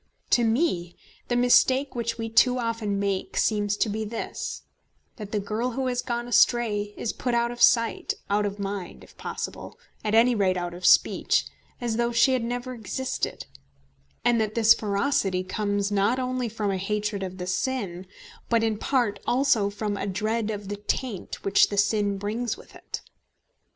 To me the mistake which we too often make seems to be this, that the girl who has gone astray is put out of sight, out of mind if possible, at any rate out of speech, as though she had never existed, and that this ferocity comes not only from hatred of the sin, but in part also from a dread of the taint which the sin brings with it.